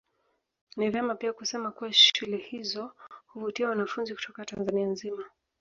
Ni vema pia kusema kuwa shule hizo huvutia wanafunzi kutoka Tanzania nzima